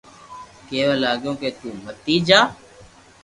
ڪيوا لاگيو ڪي تو متي جا